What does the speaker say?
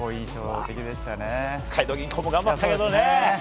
北海道銀行も頑張ったけどね。